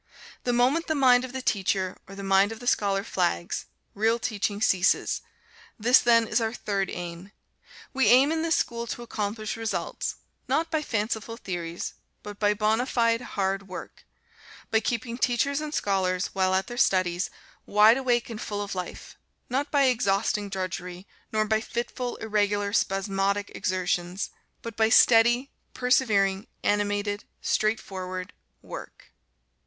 The moment the mind of the teacher or the mind of the scholar flags, real teaching ceases. This, then, is our third aim. We aim in this school to accomplish results, not by fanciful theories, but by bona fide hard work, by keeping teachers and scholars, while at their studies, wide awake and full of life; not by exhausting drudgery, nor by fitful, irregular, spasmodic exertions, but by steady, persevering, animated, straight forward work.